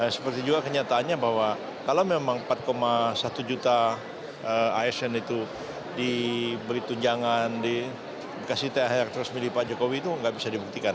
seperti juga kenyataannya bahwa kalau memang empat satu juta asn itu diberi tunjangan dikasih thr terus milih pak jokowi itu nggak bisa dibuktikan